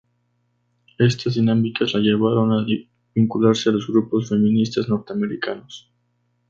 Estas dinámicas la llevaron a vincularse a los grupos feministas norteamericanos.